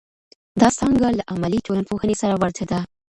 دا څانګه له عملي ټولنپوهنې سره ورته ده.